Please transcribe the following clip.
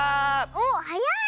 おっはやい！